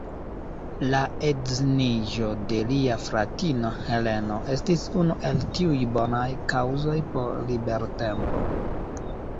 La edziniĝo de lia fratino Heleno estis unu el tiuj bonaj kaŭzoj por libertempo.